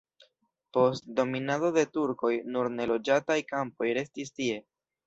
Post dominado de turkoj nur neloĝataj kampoj restis tie.